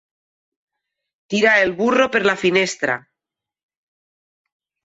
Tirar el burro per la finestra.